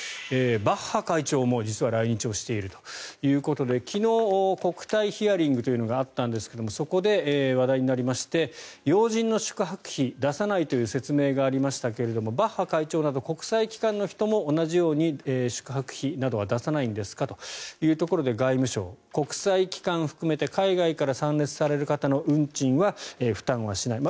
バッハ会長も実は来日をしているということで昨日、国対ヒアリングというのがあったんですがそこで話題になりまして要人の宿泊費を出さないという説明がありましたがバッハ会長など国際機関の人も同じように、宿泊費は出さないんですかということで外務省国際機関を含めて海外から参列される方の運賃は負担はしない。